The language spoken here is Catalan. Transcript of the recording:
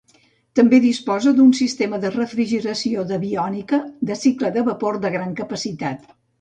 També disposa d'un sistema de refrigeració d'aviònica de cicle de vapor de gran capacitat.